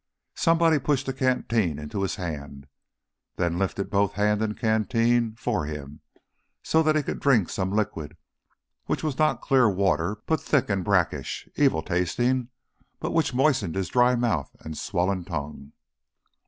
Somebody pushed a canteen into his hand, then lifted both hand and canteen for him so that he could drink some liquid which was not clear water but thick and brackish, evil tasting, but which moistened his dry mouth and swollen tongue.